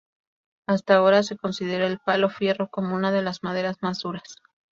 Hasta ahora se considera el palo fierro como una de las maderas más duras.